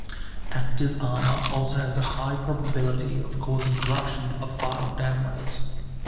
ActiveArmor also has a high probability of causing corruption of file downloads.